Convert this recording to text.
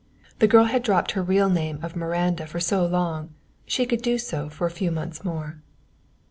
The girl had dropped her real name of Miranda for so long; she could do so for a few months more.